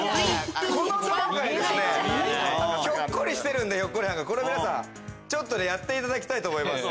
どこかにひょっこりしてるんでこれ皆さんやっていただきたいと思います。